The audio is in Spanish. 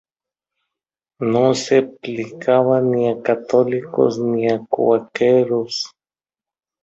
No se aplicaba ni a católicos ni a cuáqueros.